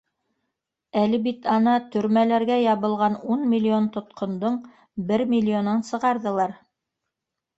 Әле бит, ана, төрмәләргә ябылған ун миллион тотҡондоң бер миллионын сығарҙылар.